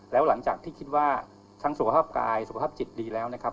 แล้วหลังจากที่คิดว่าทั้งสุขภาพกายสุขภาพจิตดีแล้วนะครับ